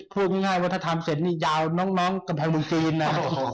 พูดง่ายว่าถ้าทำเสร็จนี่ยาวน้องกำแพงบุคชีนอ่ะ